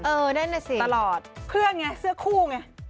นั่นน่ะสิตลอดเพื่อนไงเสื้อคู่ไง